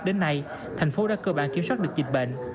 đến nay thành phố đã cơ bản kiểm soát được dịch bệnh